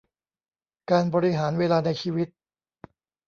การบริหารเวลาในชีวิต